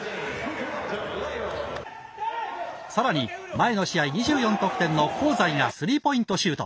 さらに前の試合２４得点の香西がスリーポイントシュート。